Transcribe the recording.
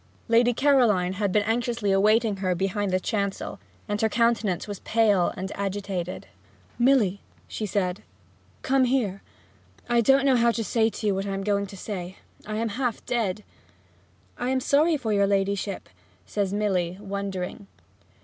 Lady Caroline had been anxiously awaiting her behind the chancel, and her countenance was pale and agitated. 'Milly!' she said, 'come here! I don't know how to say to you what I am going to say. I am half dead!' 'I am sorry for your ladyship,' says Milly, wondering.